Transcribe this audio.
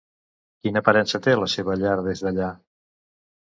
Quina aparença té la seva llar des d'allà?